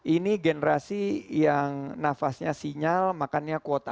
ini generasi yang nafasnya sinyal makannya kuota